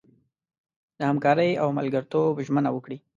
د همکارۍ او ملګرتوب ژمنه وکړي.